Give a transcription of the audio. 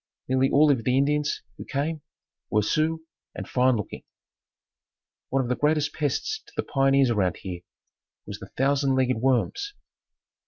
Nearly all of the Indians who came were Sioux and fine looking. One of the greatest pests to the pioneers around here was the thousand legged worms.